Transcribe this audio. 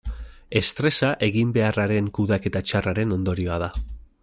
Estresa eginbeharraren kudeaketa txarraren ondorioa da.